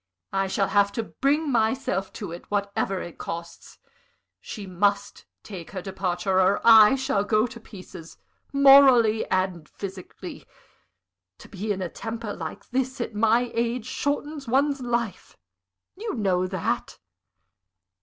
I shall have to bring myself to it, whatever it costs. She must take her departure, or I shall go to pieces, morally and physically. To be in a temper like this, at my age, shortens one's life you know that."